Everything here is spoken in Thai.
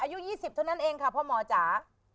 อายุ๒๐เท่านั้นเองค่ะพ่อหมอจ๋า